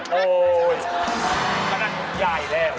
พระนักรมย่ายเล่ว